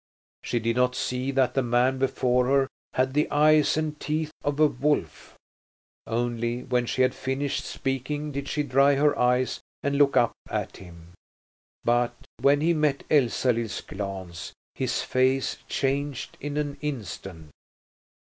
She did not see that the man before her had the eyes and teeth of a wolf. Only when she had finished speaking did she dry her eyes and look up at him. But when he met Elsalill's glance his face changed in an instant.